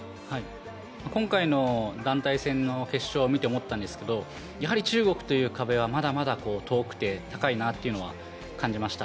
今回の団体戦の決勝を見て思ったんですけどやはり中国という壁はまだまだ遠くて高いなというのは感じました。